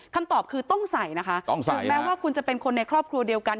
คำตอบคือต้องใส่นะคะต้องใส่ถึงแม้ว่าคุณจะเป็นคนในครอบครัวเดียวกัน